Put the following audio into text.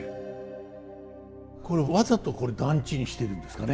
これわざと段違にしてるんですかね。